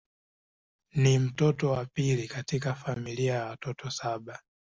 Ni mtoto wa pili katika familia ya watoto saba.